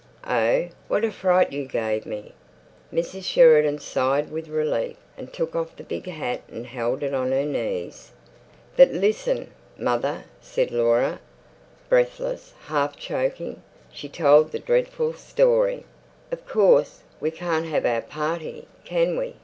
"Oh, what a fright you gave me!" Mrs. Sheridan sighed with relief, and took off the big hat and held it on her knees. "But listen, mother," said Laura. Breathless, half choking, she told the dreadful story. "Of course, we can't have our party, can we?"